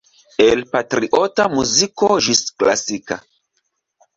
El patriota muziko ĝis klasika.